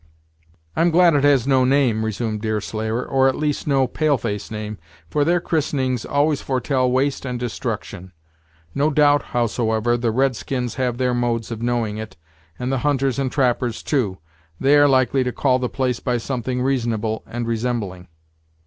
"I'm glad it has no name," resumed Deerslayer, "or at least, no pale face name; for their christenings always foretell waste and destruction. No doubt, howsoever, the red skins have their modes of knowing it, and the hunters and trappers, too; they are likely to call the place by something reasonable and resembling."